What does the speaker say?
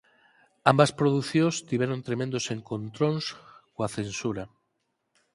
Ambas producións tiveron tremendos encontróns coa censura.